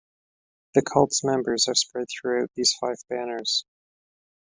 The cult's members are spread throughout these five banners.